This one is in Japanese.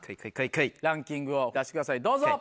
ランキングを出してくださいどうぞ。